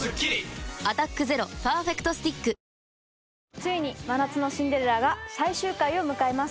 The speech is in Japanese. ついに『真夏のシンデレラ』が最終回を迎えます。